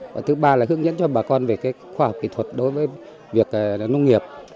và thứ ba là hướng dẫn cho bà con về khoa học kỹ thuật đối với việc nông nghiệp